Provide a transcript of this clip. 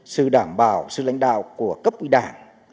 sự đảm bảo sự lãnh đạo của cấp ủy đảng